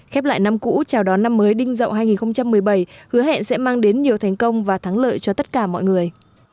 khép lại năm cũ chào đón năm mới đinh dậu hai nghìn một mươi bảy hứa hẹn sẽ mang đến nhiều thành công và thắng lợi cho tất cả mọi người